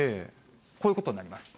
こういうことになります。